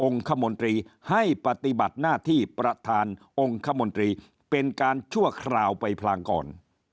คมนตรีให้ปฏิบัติหน้าที่ประธานองค์คมนตรีเป็นการชั่วคราวไปพลางก่อน